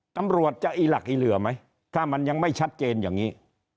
ตำรวจจะอีหลักอีเหลือไหมถ้ามันยังไม่ชัดเจนอย่างนี้